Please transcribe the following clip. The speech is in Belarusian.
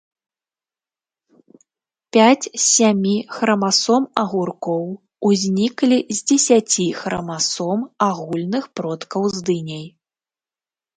Пяць з сямі храмасом агуркоў узніклі з дзесяці храмасом агульных продкаў з дыняй.